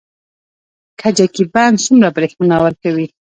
کجکي بند څومره بریښنا ورکوي؟